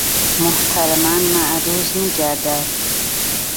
محترما معروض میگردد